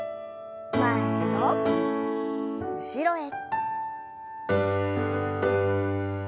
前と後ろへ。